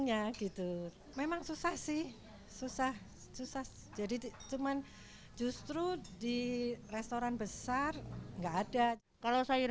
nya gitu memang susah sih susah susah jadi cuman justru di restoran besar enggak ada kalau sayur